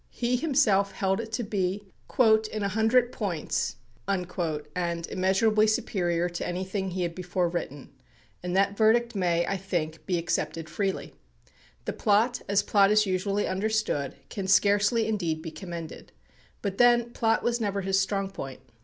He himself held it to be "in a hundred points" and "immeasurably" superior to anything he had before written, and that verdict may, I think, be accepted freely. The plot, as plot is usually understood, can scarcely indeed be commended. But then plot was never his strong point.